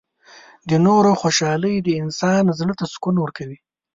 • د نورو خوشحالي د انسان زړۀ ته سکون ورکوي.